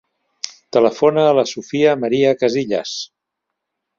Telefona a la Sofia maria Casillas.